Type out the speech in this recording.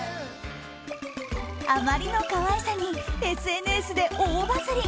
あまりの可愛さにＳＮＳで大バズり。